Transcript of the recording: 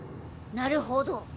なるほど。